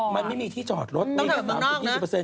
มันไม่มีที่จอดรถมีแค่๓๐๒๐